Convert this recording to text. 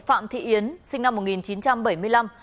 phạm thị yến sinh năm một nghìn chín trăm bảy mươi năm